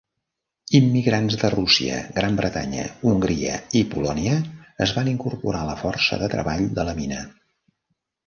Immigrants de Rússia, Gran Bretanya, Hongria i Polònia es van incorporar a la força de treball de la mina.